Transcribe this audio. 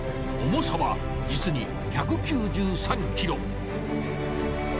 重さは実に１９３ｋｇ。